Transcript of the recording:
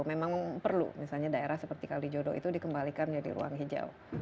memang perlu misalnya daerah seperti kalijodo itu dikembalikan menjadi ruang hijau